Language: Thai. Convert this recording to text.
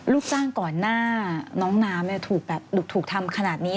ลูกจ้างก่อนหน้าน้องน้ำถูกทำขนาดนี้